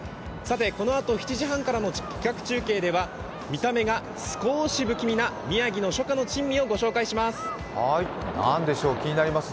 このあと７時半からの企画中継では見た目が少し不気味な宮城の初夏の珍味を御紹介します。